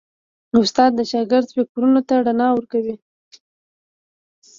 استاد د شاګرد فکرونو ته رڼا ورکوي.